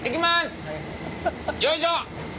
よいしょ！